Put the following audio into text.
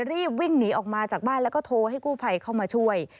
รีบวิ่งหนีออกมาจากบ้านแล้วก็โทรให้กู้ภัยเข้ามาช่วย